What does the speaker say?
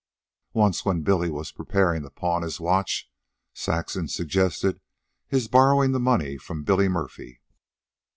Once, when Billy was preparing to pawn his watch, Saxon suggested his borrowing the money from Billy Murphy.